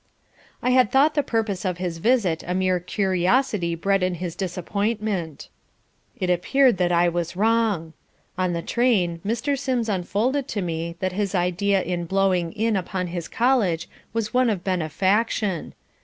I had thought the purpose of his visit a mere curiosity bred in his disappointment. It appeared that I was wrong. On the train Mr. Sims unfolded to me that his idea in "blowing in" upon his college was one of benefaction.